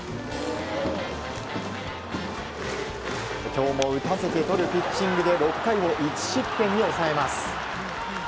今日も打たせてとるピッチングで６回を１失点に抑えます。